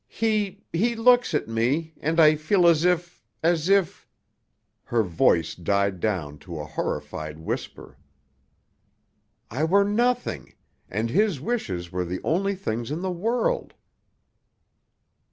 He—he looks at me, and I feel as if—as if—" her voice died down to a horrified whisper—"I were nothing, and his wishes were the only things in the world."